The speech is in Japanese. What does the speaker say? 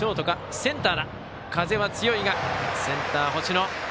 風は強いが、センター、星野。